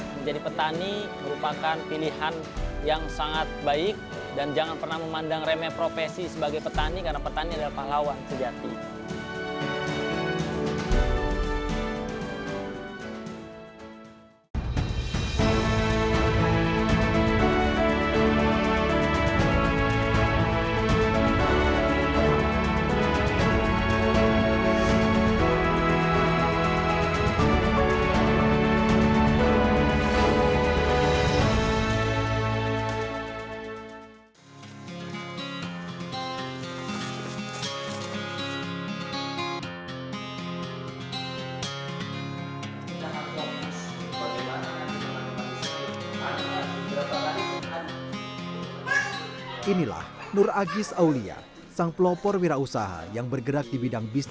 menjadi petani merupakan pilihan yang sangat baik dan jangan pernah memandang remeh profesi sebagai petani karena petani adalah pahlawan sejati